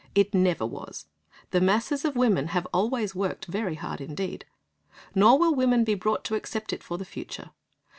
It never was. The masses of women have always worked very hard indeed. Nor will women be brought to accept it for the future.